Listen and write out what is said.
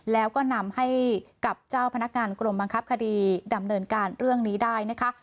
แล้วก็นำให้กับเจ้าพนักงานกรมบังคับคดีดำเนินการเรื่องนี้ได้นะคะ